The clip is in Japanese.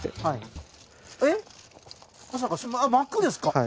はい。